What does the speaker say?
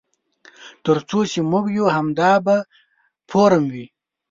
تر څو چې موږ یو همدا به فورم وي.